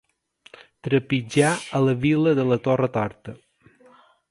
Trepitjar a la vila de la torre torta.